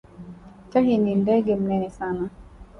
Tahi ni ndege munene sana